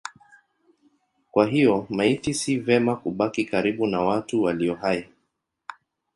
Kwa hiyo maiti si vema kubaki karibu na watu walio hai.